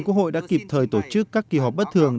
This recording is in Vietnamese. quốc hội đã kịp thời tổ chức các kỳ họp bất thường